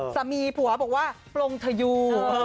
สามีผัวบอกว่าปลงทยู